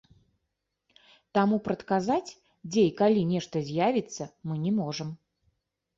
Таму прадказаць, дзе і калі нешта з'явіцца, мы не можам.